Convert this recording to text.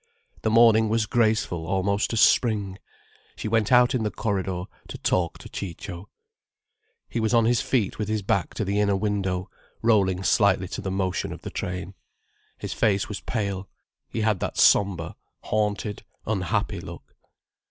The morning was graceful almost as spring. She went out in the corridor to talk to Ciccio. He was on his feet with his back to the inner window, rolling slightly to the motion of the train. His face was pale, he had that sombre, haunted, unhappy look.